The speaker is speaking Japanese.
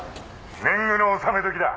「年貢の納め時だ」